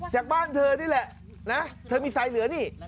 จากบ้านเธอนี่แหละนะเธอมีไซเหลือนี่